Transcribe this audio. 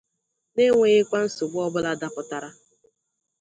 n'enweghịkwa nsogbu ọbụla dapụtàrà.